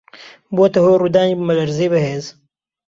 بووەتە هۆی ڕوودانی بوومەلەرزەی بەهێز